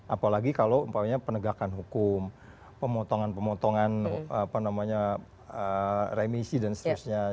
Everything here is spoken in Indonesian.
apalagi kalau penegakan hukum pemotongan pemotongan remisi dan seterusnya